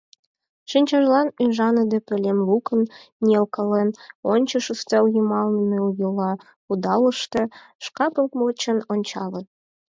Шинчажлан ӱшаныде, пӧлем лукым ниялткален ончыш, ӱстел йымалне нылйола кудалыште, шкапым почын ончале...